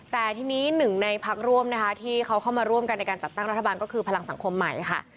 แต่ทีนี้หนึ่งในพักร่วมนะคะที่เขาเข้ามาร่วมกันในการจัดตั้งรัฐบาลก็คือพลังสังคมใหม่ค่ะ